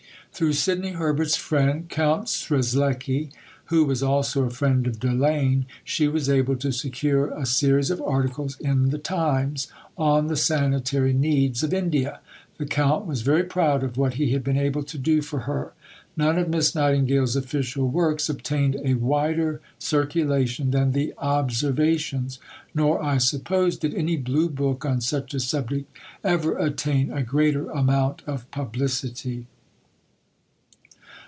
Through Sidney Herbert's friend, Count Strzelechi, who was also a friend of Delane, she was able to secure a series of articles in the Times on the sanitary needs of India. The Count was very proud of what he had been able to do for her. None of Miss Nightingale's official works obtained a wider circulation than the "Observations"; nor, I suppose, did any Blue book on such a subject ever attain a greater amount of publicity.